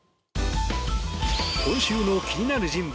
今週の気になる人物